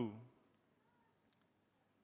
kita terus bekerja keras dan serius